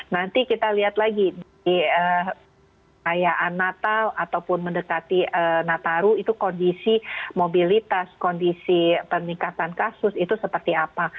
nanti kita lihat lagi di kayaan natal ataupun mendekati nataru itu kondisi mobilitas kondisi peningkatan kasus itu seperti apa